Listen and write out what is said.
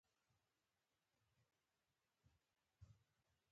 پامیر د افغانستان د فرهنګي فستیوالونو یوه برخه ده.